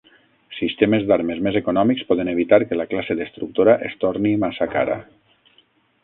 Sistemes d'armes més econòmics poden evitar que la classe destructora es torni massa cara.